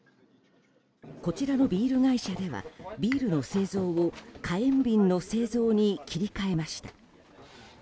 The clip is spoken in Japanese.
こちらのビール会社ではビールの製造を火炎瓶の製造に切り替えました。